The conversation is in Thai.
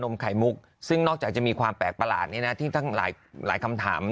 เออให้เลยติ่งหูมาเปรี้ยวแล้วก่อน